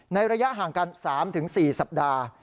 ระยะห่างกัน๓๔สัปดาห์